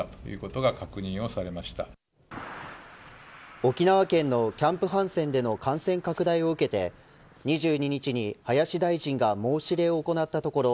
沖縄県のキャンプ・ハンセンでの感染拡大を受けて２２日に林大臣が申し入れを行ったところ